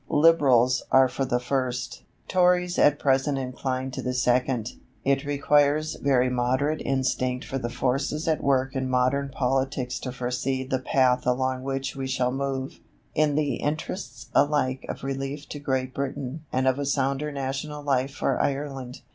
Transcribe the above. Liberals are for the first; Tories at present incline to the second. It requires very moderate instinct for the forces at work in modern politics to foresee the path along which we shall move, in the interests alike of relief to Great Britain and of a sounder national life for Ireland.